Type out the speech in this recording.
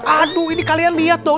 aduh ini kalian lihat tuh